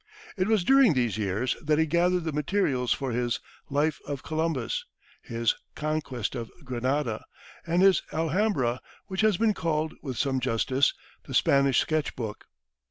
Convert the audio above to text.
It was during these years that he gathered the materials for his "Life of Columbus," his "Conquest of Granada," and his "Alhambra," which has been called with some justice, "The Spanish Sketch Book."